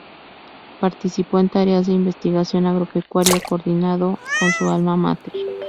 Participó en tareas de investigación agropecuaria coordinado con su Alma Mater.